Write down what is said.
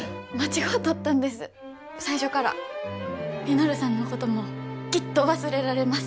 稔さんのこともきっと忘れられます。